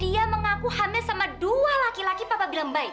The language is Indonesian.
dia mengaku hamil sama dua laki laki papa bilang baik